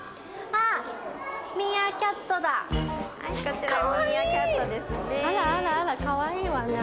あらあらあらかわいいわね